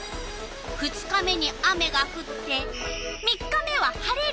２日目に雨がふって３日目は晴れる。